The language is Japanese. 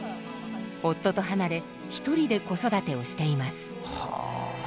夫と離れ一人で子育てをしています。